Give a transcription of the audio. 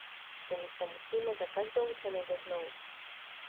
Tomu se musíme za každou cenu vyhnout.